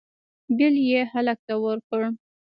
بل یې هلک ته ورکړ